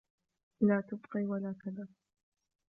لا تبقي ولا تذر